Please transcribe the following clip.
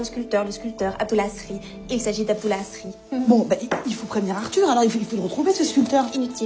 はい。